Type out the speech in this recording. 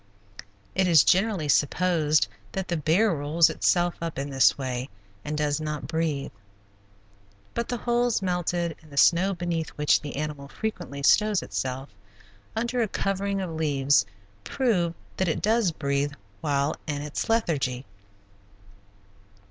It is generally supposed that the bear rolls itself up in this way and does not breathe, but the holes melted in the snow beneath which the animal frequently stows itself, under a covering of leaves, prove that it does breathe while in its lethargy.